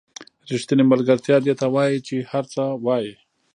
ریښتینې ملګرتیا دې ته وایي چې هر څه وایئ.